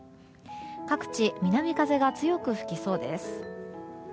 各地、南風が強く吹きそうです。